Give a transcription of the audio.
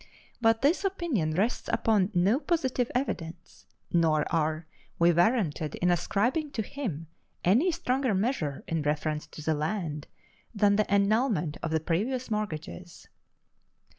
But this opinion rests upon no positive evidence, nor are we warranted in ascribing to him any stronger measure in reference to the land than the annulment of the previous mortgages.